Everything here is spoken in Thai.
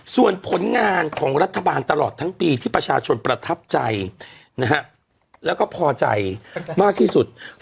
ส่วนผลงานของรัฐบาลตลอดทั้งปีที่ประชาชนประทับใจนะฮะแล้วก็พอใจมากที่สุด